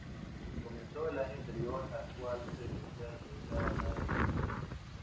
Comienza el año anterior al cual se desea ingresar a la institución.